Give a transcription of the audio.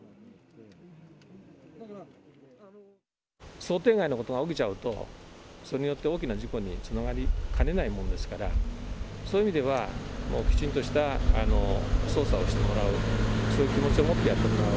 想定外のことが起きちゃうとそれによって大きな事故につながりかねないですからそういう意味では、きちんとした操作をしてもらうそういう気持ちでもってやってもらう。